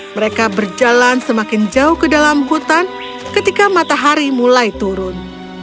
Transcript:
mereka berjalan semakin jauh ke dalam hutan ketika matahari mulai turun